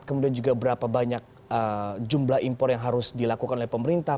kemudian juga berapa banyak jumlah impor yang harus dilakukan oleh pemerintah